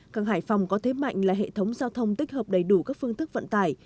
càng hải phòng có thế mạnh là hệ thống giao thông tích hợp đầy đủ các phương thức vận tải